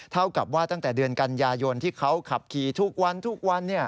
เท่ากับว่าตั้งแต่เดือนกันยายนที่เขาขับขี่ทุกวันทุกวัน